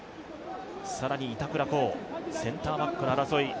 更に、板倉滉、センターバックの争い